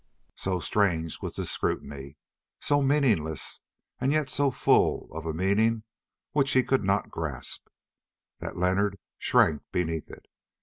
So strange was this scrutiny, so meaningless and yet so full of a meaning which he could not grasp, that Leonard shrank beneath it.